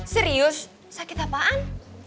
serius sakit apaan